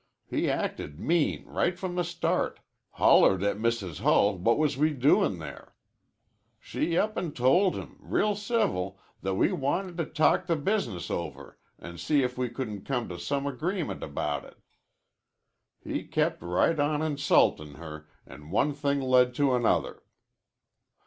"He acted mean right from the start hollered at Mrs. Hull what was we doin' there. She up an' told him, real civil, that we wanted to talk the business over an' see if we couldn't come to some agreement about it. He kep' right on insultin' her, an' one thing led to another.